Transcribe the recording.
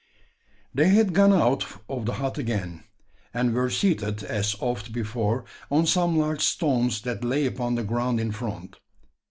They had gone out of the hut again; and were seated, as oft before, on some large stones that lay upon the ground in front.